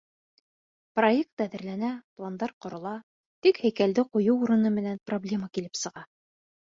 Проект әҙерләнә, пландар ҡорола, тик һәйкәлде ҡуйыу урыны менән проблема килеп сыға.